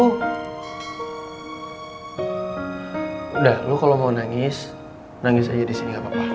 udah lu kalau mau nangis nangis aja di sini gak apa apa